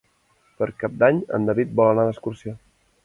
Per Cap d'Any en David vol anar d'excursió.